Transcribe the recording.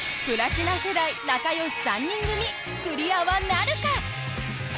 プラチナ世代仲良し３人組クリアはなるか！？